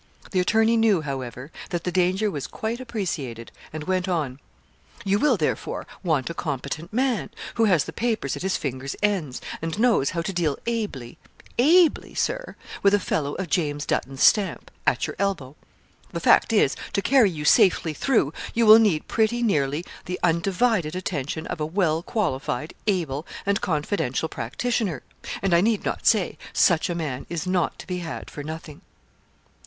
The attorney knew, however, that the danger was quite appreciated, and went on 'You will, therefore, want a competent man who has the papers at his fingers' ends, and knows how to deal ably ably, Sir, with a fellow of James Dutton's stamp at your elbow. The fact is, to carry you safely through you will need pretty nearly the undivided attention of a well qualified, able, and confidential practitioner; and I need not say, such a man is not to be had for nothing.'